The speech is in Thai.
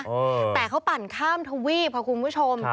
เออแต่เขาปั่นข้ามทวีปครับคุณผู้ชมครับ